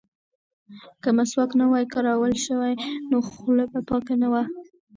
که مسواک نه وای کارول شوی نو خوله به پاکه نه وه.